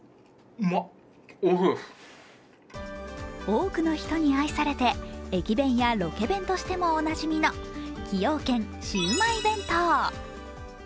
多くの人に愛されて駅弁やロケ弁としてもおなじみの崎陽軒シウマイ弁当。